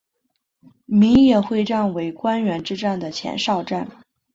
米野会战为关原之战的前哨战。